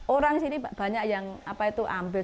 orang sini banyak yang ambil